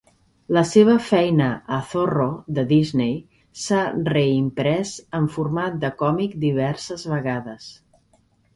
La seva feina a "Zorro" de Disney s'ha reimprès en format de còmic diverses vegades.